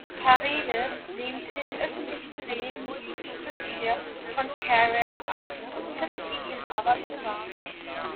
Paredes lehnte in öffentlichen Reden die Rückkehr von Carrera ab, verzieh ihm aber privat.